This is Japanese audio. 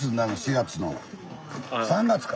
３月か。